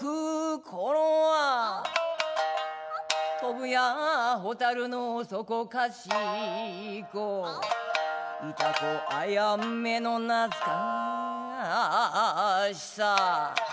「飛ぶや蛍のそこかしこ」「潮来あやめのなつかしさ」